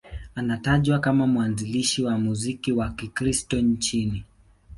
Anatajwa kama mwanzilishi wa muziki wa Kikristo nchini.